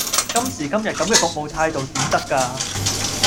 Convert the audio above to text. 今時今日咁嘅服務態度點得㗎？